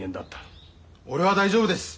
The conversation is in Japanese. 俺は大丈夫です。